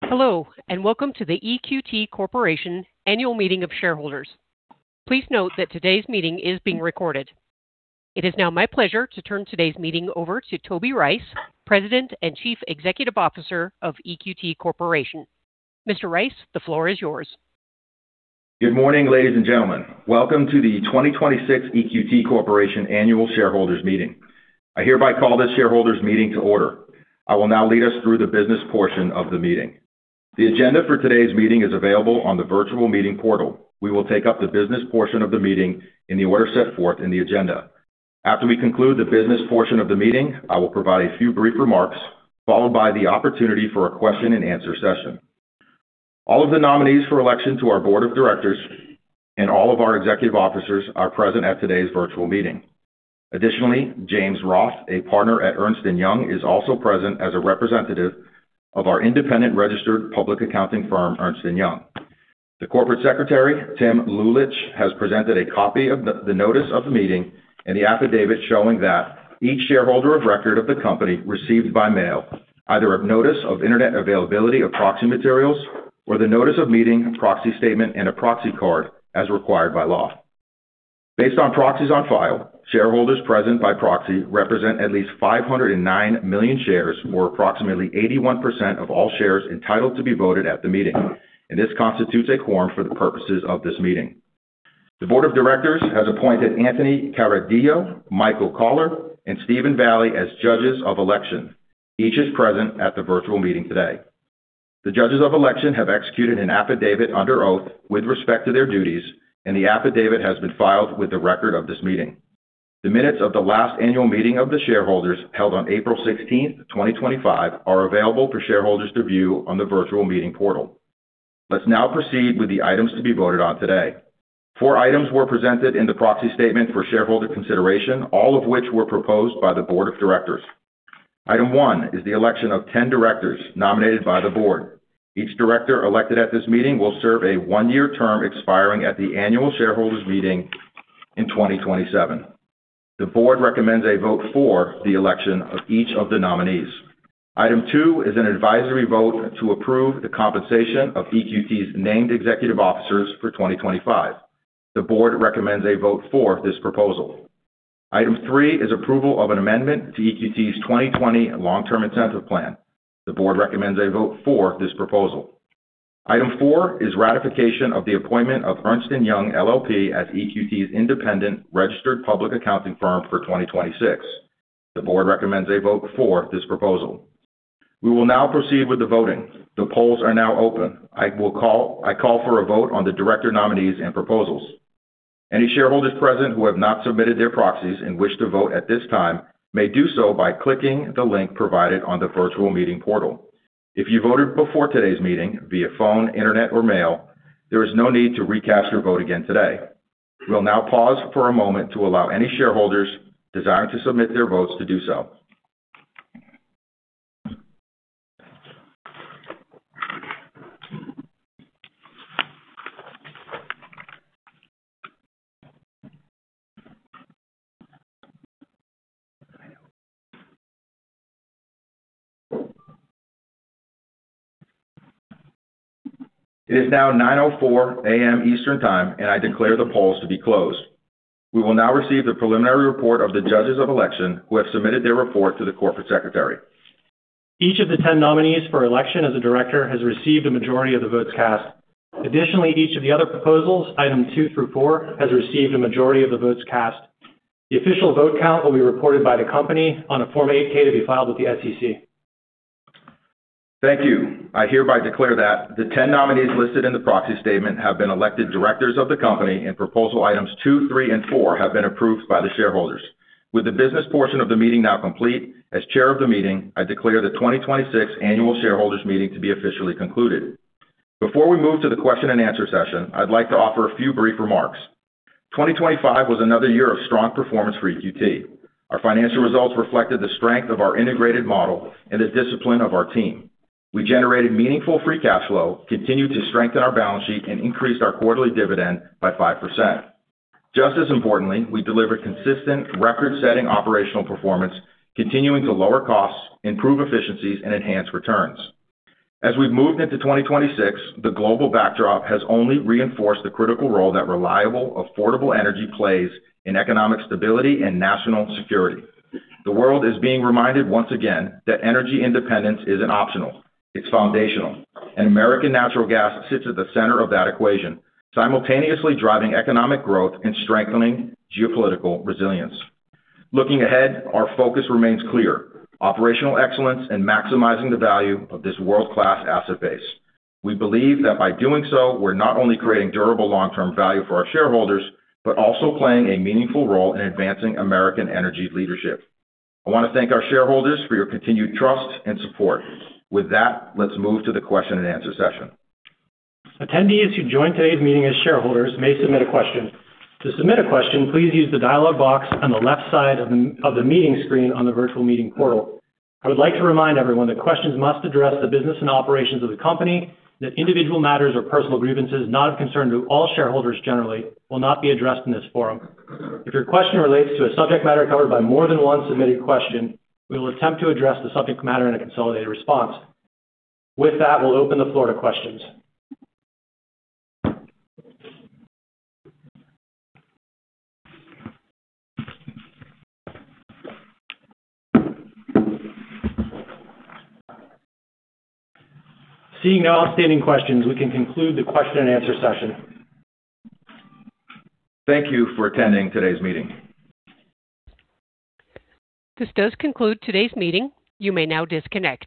Hello, and welcome to the EQT Corporation Annual Meeting of Shareholders. Please note that today's meeting is being recorded. It is now my pleasure to turn today's meeting over to Toby Rice, President and Chief Executive Officer of EQT Corporation. Mr. Rice, the floor is yours. Good morning, ladies and gentlemen. Welcome to the 2026 EQT Corporation Annual Shareholders Meeting. I hereby call this Shareholders Meeting to order. I will now lead us through the business portion of the meeting. The agenda for today's meeting is available on the virtual meeting portal. We will take up the business portion of the meeting in the order set forth in the agenda. After we conclude the business portion of the meeting, I will provide a few brief remarks, followed by the opportunity for a question and answer session. All of the nominees for election to our Board of Directors and all of our Executive Officers are present at today's virtual meeting. Additionally, James Ross, a Partner at Ernst & Young, is also present as a representative of our independent registered public accounting firm, Ernst & Young. The Corporate Secretary, Timothy Lulich, has presented a copy of the notice of the meeting and the affidavit showing that each shareholder of record of the company received by mail either a notice of internet availability of proxy materials or the notice of meeting, proxy statement, and a proxy card as required by law. Based on proxies on file, shareholders present by proxy represent at least 509 million shares, or approximately 81% of all shares entitled to be voted at the meeting, and this constitutes a quorum for the purposes of this meeting. The Board of Directors has appointed Anthony Cardillo, Michael Kahler, and Mike Vallely as Judges of Election. Each is present at the virtual meeting today. The Judges of Election have executed an affidavit under oath with respect to their duties, and the affidavit has been filed with the record of this meeting. The minutes of the last Annual Meeting of the Shareholders held on April 16th, 2025, are available for shareholders to view on the virtual meeting portal. Let's now proceed with the items to be voted on today. Four items were presented in the proxy statement for shareholder consideration, all of which were proposed by the Board of Directors. Item one is the election of 10 directors nominated by the Board. Each director elected at this meeting will serve a one-year term expiring at the Annual Shareholders Meeting in 2027. The Board recommends a vote for the election of each of the nominees. Item two is an advisory vote to approve the compensation of EQT's Named Executive Officers for 2025. The Board recommends a vote for this proposal. Item three is approval of an amendment to EQT's 2020 Long-Term Incentive Plan. The Board recommends a vote for this proposal. Item four is ratification of the appointment of Ernst & Young LLP as EQT's independent registered public accounting firm for 2026. The Board recommends a vote for this proposal. We will now proceed with the voting. The polls are now open. I call for a vote on the director nominees and proposals. Any shareholders present who have not submitted their proxies and wish to vote at this time may do so by clicking the link provided on the virtual meeting portal. If you voted before today's meeting via phone, internet, or mail, there is no need to recast your vote again today. We'll now pause for a moment to allow any shareholders desiring to submit their votes to do so. It is now 9:04 A.M. Eastern Time, and I declare the polls to be closed. We will now receive the preliminary report of the judges of election who have submitted their report to the Corporate Secretary. Each of the 10 nominees for election as a director has received a majority of the votes cast. Additionally, each of the other proposals, item two through four, has received a majority of the votes cast. The official vote count will be reported by the company on a Form 8-K to be filed with the SEC. Thank you. I hereby declare that the 10 nominees listed in the proxy statement have been elected directors of the company, and proposal items two, three, and four have been approved by the shareholders. With the business portion of the meeting now complete, as Chair of the meeting, I declare the 2026 Annual Shareholders Meeting to be officially concluded. Before we move to the question and answer session, I'd like to offer a few brief remarks. 2025 was another year of strong performance for EQT. Our financial results reflected the strength of our integrated model and the discipline of our team. We generated meaningful free cash flow, continued to strengthen our balance sheet, and increased our quarterly dividend by 5%. Just as importantly, we delivered consistent record-setting operational performance, continuing to lower costs, improve efficiencies, and enhance returns. As we've moved into 2026, the global backdrop has only reinforced the critical role that reliable, affordable energy plays in economic stability and national security. The world is being reminded once again that energy independence isn't optional. It's foundational, and American natural gas sits at the center of that equation, simultaneously driving economic growth and strengthening geopolitical resilience. Looking ahead, our focus remains clear, operational excellence and maximizing the value of this world-class asset base. We believe that by doing so, we're not only creating durable long-term value for our shareholders, but also playing a meaningful role in advancing American energy leadership. I want to thank our shareholders for your continued trust and support. With that, let's move to the question and answer session. Attendees who joined today's meeting as shareholders may submit a question. To submit a question, please use the dialog box on the left side of the meeting screen on the virtual meeting portal. I would like to remind everyone that questions must address the business and operations of the company, that individual matters or personal grievances not of concern to all shareholders generally will not be addressed in this forum. If your question relates to a subject matter covered by more than one submitted question, we will attempt to address the subject matter in a consolidated response. With that, we'll open the floor to questions. Seeing no outstanding questions, we can conclude the question and answer session. Thank you for attending today's meeting. This does conclude today's meeting. You may now disconnect.